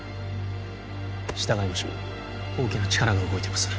従いましょう大きな力が動いています